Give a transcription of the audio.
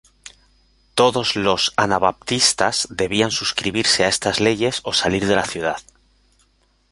Todos los anabaptistas debían suscribirse a estas leyes o salir de la ciudad.